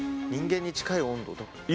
人間に近い温度とか。